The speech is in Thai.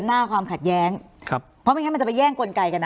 เพราะมันอย่างนั้นจะไปแย่งกนไกรกันนะ